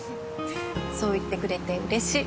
そう言ってくれてうれしい。